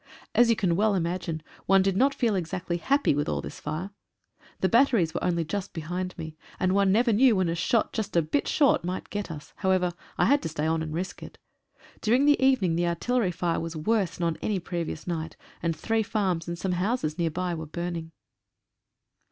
As you can well imagine, one did not feel exactly happy with all this fire. The batteries were only just behind me, and one never knew when a shot just a bit short might get us. However, I had to stay on and risk it. During the evening the artillery fire was worse than on any previous night, and three farms and some houses near by were burning.